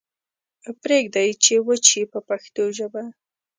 پریږدئ چې وچ شي په پښتو ژبه.